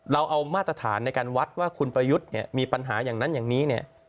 เอามาตรฐานในการวัดว่าคุณประยุทธ์เนี่ยมีปัญหาอย่างนั้นอย่างนี้เนี่ย